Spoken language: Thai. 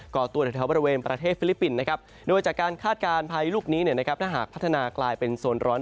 ก่อตัวแถวบริเวณประเทศฟิลิปปินส์